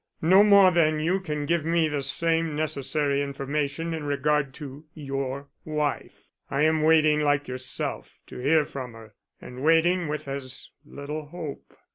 "No more than you can give me the same necessary information in regard to your wife. I am waiting like yourself to hear from her and waiting with as little hope."